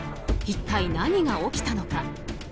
一体何が起きたのか。